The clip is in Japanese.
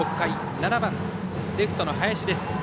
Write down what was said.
７番、レフトの林です。